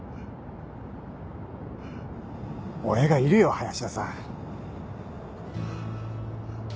俺がいるよ林田さん。